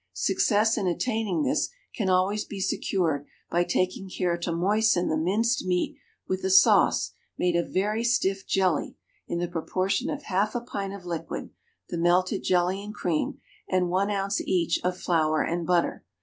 Success in attaining this can always be secured by taking care to moisten the minced meat with a sauce made of very stiff jelly in the proportion of half a pint of liquid (the melted jelly and cream) and one ounce each of flour and butter.